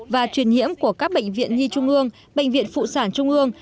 và truyền nhiễm của các bệnh viện nhi trung ương bệnh viện phụ sản trung ương